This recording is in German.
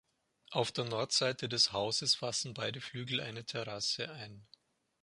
Auf der Nordseite des Hauses fassen beide Flügel eine Terrasse ein.